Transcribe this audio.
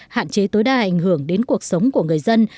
hạn chế tối đa ảnh hưởng đến cuộc sống của người dân